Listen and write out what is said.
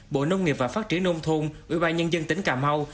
bộ nông nghiệp và phát triển nông thôn ủy ban nhân dân tỉnh cà mau